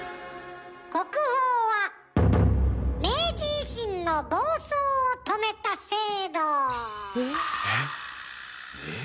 「国宝」は明治維新の暴走を止めた制度。え？え？え？